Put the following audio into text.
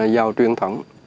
giàu truyền thống